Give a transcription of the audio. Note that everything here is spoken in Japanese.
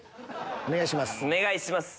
お願いします。